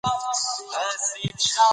"من" ارادې ته هم ویل کیږي.